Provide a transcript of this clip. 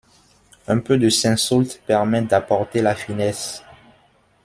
Un peu de cinsault permet d'apporter la finesse.